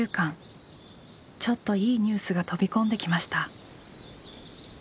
ちょっといいニュースが飛び込んできました。